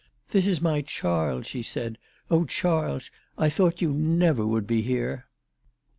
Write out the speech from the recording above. " This is my Charles," she said. " Oh, Charles, I thought you never would be here."